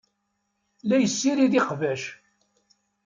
La yessirid iqbac.